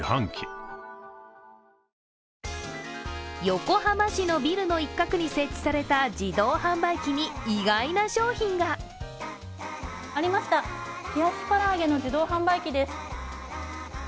横浜市のビルの一角に設置された自動販売機に意外な商品が。ありました、冷やし唐揚げの自動販売機です。